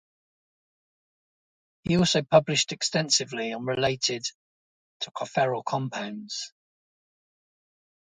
He also published extensively on related tocopherol compounds.